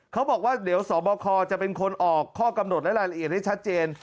เขาบอกว่าเดี๋ยวสบคจะเป็นคนออกข้อกำหนดและรายละเอียดให้ชัดเจน